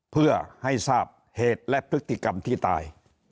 เพื่อให้ทราบเหตุและพฤติกรรมที่ตาย